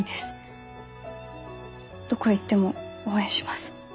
どこへ行っても応援します。